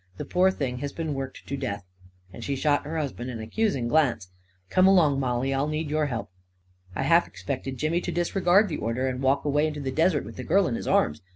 The poor thing has been worked to death." And she shot her husband an accusing glance. " Come along, Mollie — I'll need your help." I half expected Jimmy to disregard the order, and walk away into the desert with the girl in his arms.